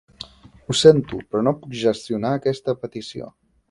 Ho sento, però no puc gestionar aquesta petició.